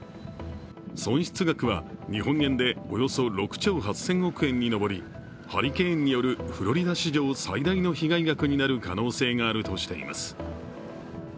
損失額は日本円でおよそ６兆８０００億円に上りハリケーンによるフロリダ史上最大の被害額になる可能性があるとしています。